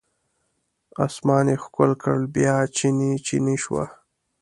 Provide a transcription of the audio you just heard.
اسمان یې ښکل کړ بیا چینې، چینې شوه